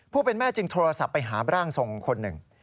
แม่จึงโทรศัพท์ไปหาร่างทรงคนหนึ่ง